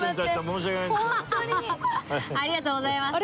ありがとうございます。